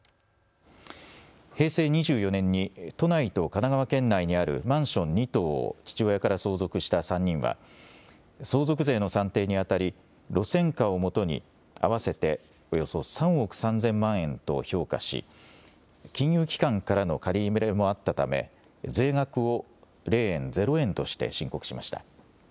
平成２４年に都内と神奈川県内にあるマンション２棟を父親から相続した３人は相続税の算定にあたり路線価をもとに合わせておよそ３億３０００万円と評価し金融機関からの借り入れもあったため税額を０円として申告しました。